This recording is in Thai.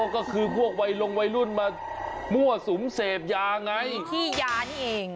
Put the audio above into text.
ก็คือพวกวัยลงวัยรุ่นมามั่วสุมเสพยาไงขี้ยานี่เอง